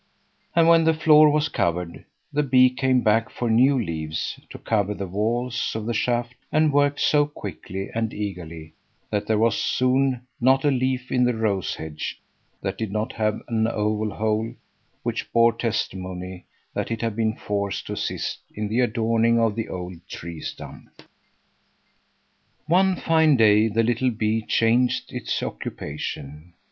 And when the floor was covered, the bee came back for new leaves to cover the walls of the shaft, and worked so quickly and eagerly, that there was soon not a leaf in the rose hedge that did not have an oval hole which bore testimony that it had been forced to assist in the adorning of the old tree stump. One fine day the little bee changed its occupation.